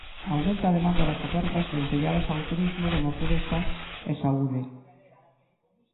Aumenta a demanda das ofertas vencelladas ao turismo de natureza e saúde.